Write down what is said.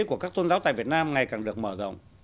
của các tôn giáo tại việt nam ngày càng được mở rộng